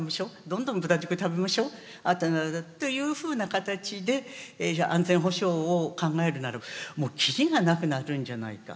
「どんどん豚肉食べましょう」というふうな形で安全保障を考えるならもうきりがなくなるんじゃないか。